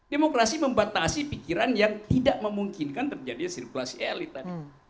demokrasi membatasi pikiran yang tidak memungkinkan terjadinya sirkulasi elit tadi